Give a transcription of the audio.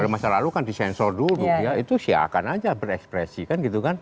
masa lalu kan disensor dulu ya itu siakan aja berekspresi kan gitu kan